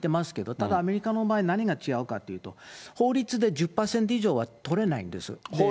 ただアメリカの場合、何が違うかっていうと、法律で１０％以上は取れないんです。